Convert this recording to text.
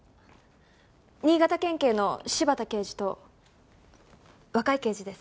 新潟県警の柴田刑事と若い刑事です。